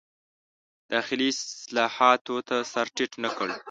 داخلي اصلاحاتو ته سر ټیټ نه کړ.